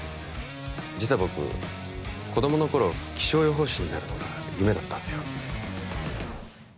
実は僕子供の頃気象予報士になるのが夢だったんすよ